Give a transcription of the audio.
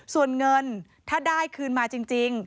ส่วนเงินถ้าได้คืนมาจริง